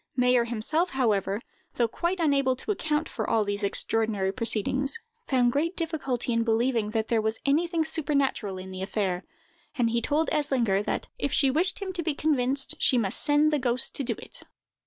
Mayer himself, however, though quite unable to account for all these extraordinary proceedings, found great difficulty in believing that there was anything supernatural in the affair; and he told Eslinger that, if she wished him to be convinced, she must send the ghost to do it!